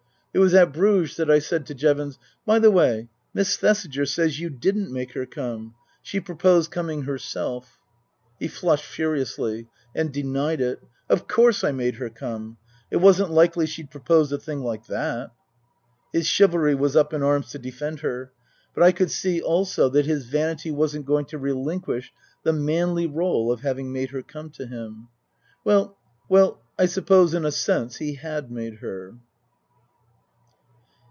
It was at Bruges that I said to Jevons, " By the way, Miss Thesiger says you didn't make her come. She pro posed coming herself." He flushed furiously and denied it. " Of course I made her come. It wasn't likely she'd propose a thing like that. " His chivalry was up in arms to defend her. But I could see also that his vanity wasn't going to relinquish the manly role of having made her come to him. Well, I suppose in a sense he had made her.